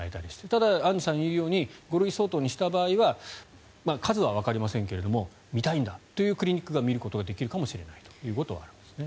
ただ、アンジュさんが言うように５類相当にした場合は数はわかりませんけれど診たいんだというクリニックが診ることはできるかもしれないということですね。